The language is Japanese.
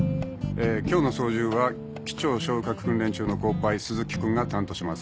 今日の操縦は機長昇格訓練中のコーパイ鈴木君が担当します。